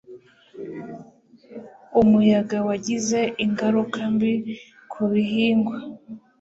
Umuyaga wagize ingaruka mbi ku bihingwa.